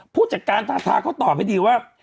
ผู้จัดการทาทาเขาตอบให้ดีว่า